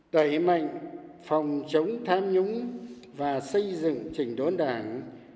tẩy mạnh phòng chống tham nhũng và xây dựng chỉnh đốn đảng